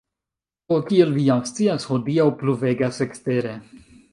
Do, kiel vi jam scias hodiaŭ pluvegas ekstere